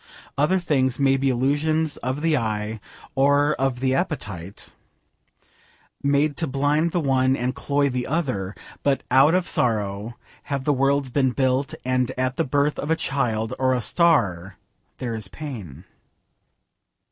Other things may be illusions of the eye or the appetite, made to blind the one and cloy the other, but out of sorrow have the worlds been built, and at the birth of a child or a star there is pain.